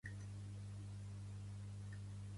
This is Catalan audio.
Pertany al moviment independentista el Patricio?